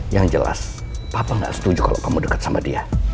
yang jelas papa nggak setuju kalau kamu dekat sama dia